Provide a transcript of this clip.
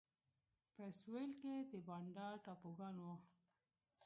په سوېل کې د بانډا ټاپوګان وو.